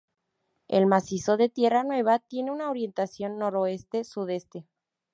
El macizo de Tierra Nueva tiene una orientación noroeste sudeste.